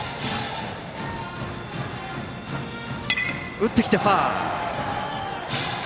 打ってきて、ファウル！